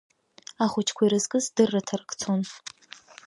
Ахәыҷқәа ирызкыз дырраҭарак цон.